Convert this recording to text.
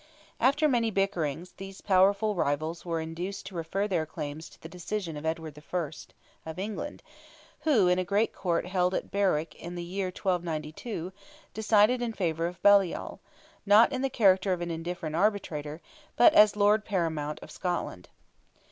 After many bickerings these powerful rivals were induced to refer their claims to the decision of Edward I. of England, who, in a Great Court held at Berwick in the year 1292, decided in favour of Baliol, not in the character of an indifferent arbitrator, but as lord paramount of Scotland.